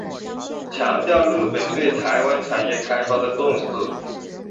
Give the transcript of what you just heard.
强调日本对台湾产业开发的重视。